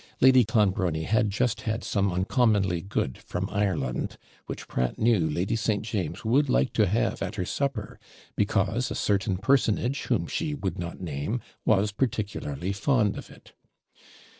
Lord Clonbrony had just had some uncommonly good from Ireland, which Pratt knew Lady St. James would like to have at her supper, because a certain personage, whom she would not name, was particularly fond of it.